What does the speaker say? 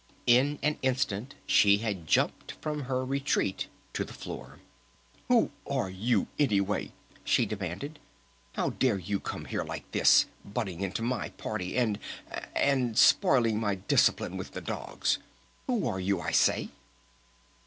In an instant she had jumped from her retreat to the floor. "Who are you, anyway?" she demanded. "How dare you come here like this? Butting into my party!... And and spoiling my discipline with the dogs! Who are you, I say?"